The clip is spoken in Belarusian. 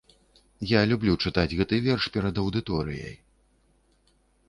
Я люблю чытаць гэты верш перад аўдыторыяй.